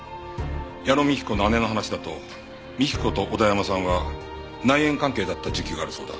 矢野幹子の姉の話だと幹子と小田山さんは内縁関係だった時期があるそうだ。